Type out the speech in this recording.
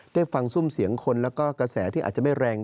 ได้ฟังซุ่มเสียงคนแล้วก็กระแสที่อาจจะไม่แรง